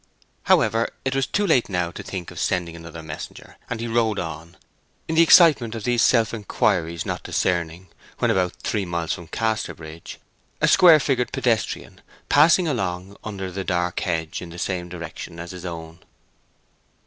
However, it was too late now to think of sending another messenger, and he rode on, in the excitement of these self inquiries not discerning, when about three miles from Casterbridge, a square figured pedestrian passing along under the dark hedge in the same direction as his own.